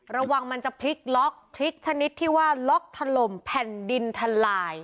ระวังมันจะพลิกล็อกพลิกชนิดที่ว่าล็อกถล่มแผ่นดินทลาย